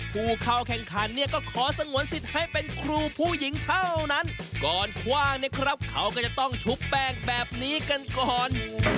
ผู้เข้าแข่งขันเนี่ยก็ขอสงวนสิทธิ์ให้เป็นครูผู้หญิงเท่านั้นก่อนคว่างเนี่ยครับเขาก็จะต้องชุบแป้งแบบนี้กันก่อน